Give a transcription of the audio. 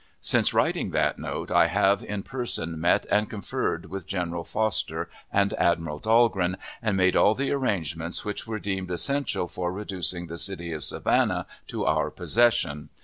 Since writing that note, I have in person met and conferred with General Foster and Admiral Dahlgren, and made all the arrangements which were deemed essential for reducing the city of Savannah to our possession.